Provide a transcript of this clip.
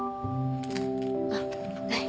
あっはい。